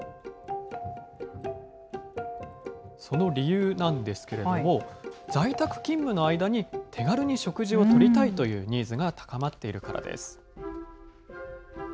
その理由なんですけれども、在宅勤務の間に手軽に食事をとりたいというニーズが高まっているからです。